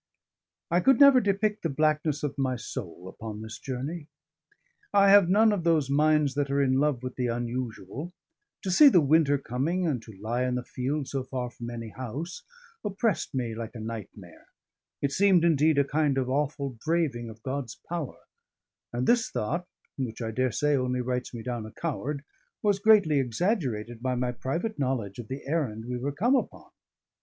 I could never depict the blackness of my soul upon this journey. I have none of those minds that are in love with the unusual: to see the winter coming and to lie in the field so far from any house, oppressed me like a nightmare; it seemed, indeed, a kind of awful braving of God's power; and this thought, which I daresay only writes me down a coward, was greatly exaggerated by my private knowledge of the errand we were come upon.